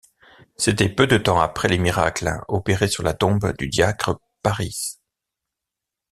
C’était peu de temps après les miracles opérés sur la tombe du diacre Pâris.